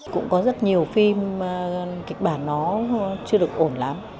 cũng có rất nhiều phim kịch bản nó chưa được ổn lắm